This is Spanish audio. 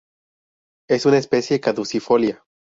Es una especie caducifolia.